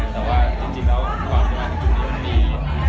แต่ว่าจริงแล้วกว่าเกมอ่านขึ้นอยู่ดี